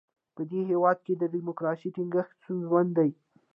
په دې هېواد کې د ډیموکراسۍ ټینګښت ستونزمن دی.